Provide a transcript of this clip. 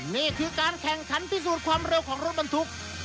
นี่คือการแข่งขันพิสูจน์ความเร็วของรถบรรทุก